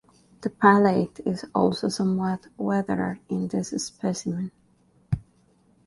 The palate is also somewhat weathered in this specimen.